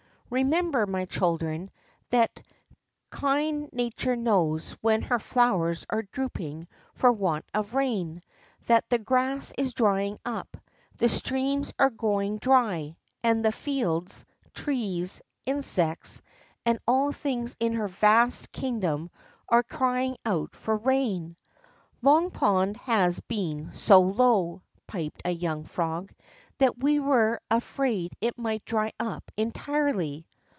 Remember, my children, that kind ISTature knows when her flowers are drooping for want of rain, that the grass is drying up, the streams are going dry, and the flelds, trees, insects, and all things in her vast kingdom are crying out for rain." Long Pond has been so low," piped a young frog, that we were afraid it might dry up en tirely."